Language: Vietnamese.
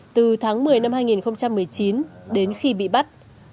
từ tháng một mươi năm hai nghìn một mươi chín đến khi bị bắt